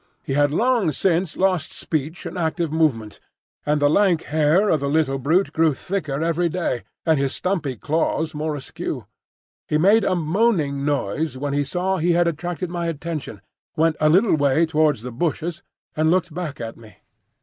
He had long since lost speech and active movement, and the lank hair of the little brute grew thicker every day and his stumpy claws more askew. He made a moaning noise when he saw he had attracted my attention, went a little way towards the bushes and looked back at me.